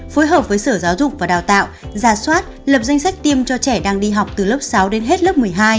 phối hợp với sở giáo dục và đào tạo ra soát lập danh sách tiêm cho trẻ đang đi học từ lớp sáu đến hết lớp một mươi hai